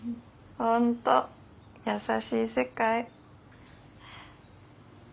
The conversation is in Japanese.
本当優しい世界。